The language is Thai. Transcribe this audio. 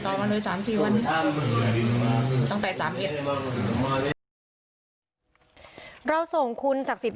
ต่อมาเลยสามสี่วันตั้งแต่สามเย็นเราส่งคุณศักดิ์ศิษย์